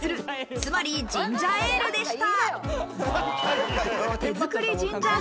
つまり、ジンジャエールでした。